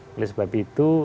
oleh sebab itu